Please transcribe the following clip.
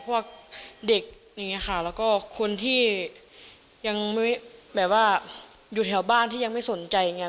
พวกเด็กอย่างนี้ค่ะแล้วก็คนที่ยังไม่แบบว่าอยู่แถวบ้านที่ยังไม่สนใจอย่างนี้